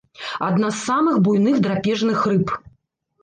Адна з самых буйных драпежных рыб.